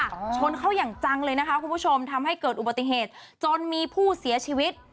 ชนเข้าอย่างจังเลยนะคะคุณผู้ชมทำให้เกิดอุบัติเหตุจนมีผู้เสียชีวิต